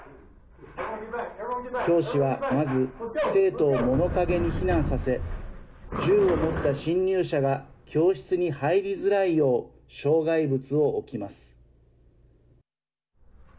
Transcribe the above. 教師はまず生徒を物陰に避難させ銃を持った侵入者が教室に入りづらいよう障害物を置きます。